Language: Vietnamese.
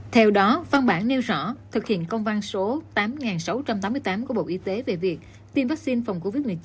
theo đó văn bản nêu rõ thực hiện công văn số tám nghìn sáu trăm tám mươi tám của bộ y tế về việc tiêm vaccine phòng covid một mươi chín